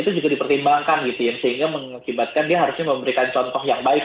itu juga dipertimbangkan gitu ya sehingga mengakibatkan dia harusnya memberikan contoh yang baik